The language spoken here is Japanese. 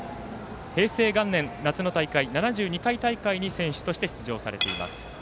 平成元年、夏の大会７２回大会に選手として出場されています。